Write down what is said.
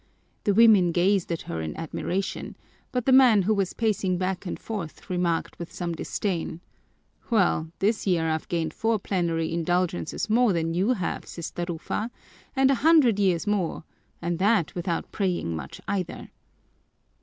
The women gazed at her in admiration, but the man who was pacing back and forth remarked with some disdain, "Well, this year I've gained four plenary indulgences more than you have, Sister Rufa, and a hundred years more, and that without praying much either."